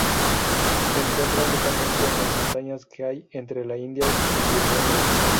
Se encuentra únicamente en las montañas que hay entre la India y Birmania.